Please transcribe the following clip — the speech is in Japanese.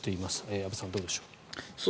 安部さん、どうでしょう。